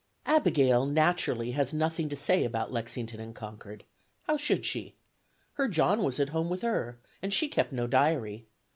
Abigail, naturally, has nothing to say about Lexington and Concord; how should she? Her John was at home with her, and she kept no diary.